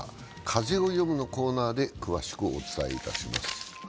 「風をよむ」のコーナーで詳しくお伝えいたします。